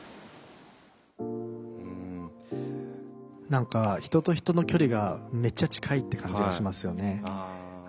何か人と人の距離がめっちゃ近いって感じがしますよね。